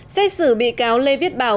xét xử bị cáo lê viết bảo